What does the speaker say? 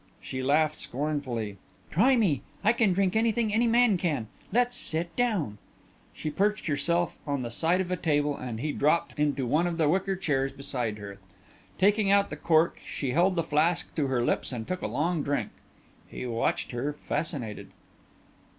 She laughed scornfully. "Try me. I can drink anything any man can. Let's sit down." She perched herself on the side of a table and he dropped into one of the wicker chairs beside her. Taking out the cork she held the flask to her lips and took a long drink. He watched her fascinated.